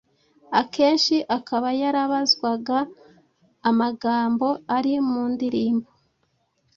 akenshi akaba yarabazwaga amagambo ari mu ndirimbo